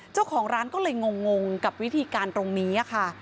เจ้าของร้านก็เลยงงกับวิธีการตรงนี้ค่ะ